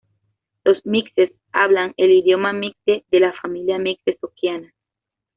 Los mixes hablan el idioma mixe, de la familia mixe-zoqueana.